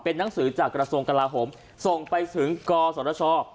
เป็นนักสือจากกระทรงกระลาฮมส่งไปถึงกสรช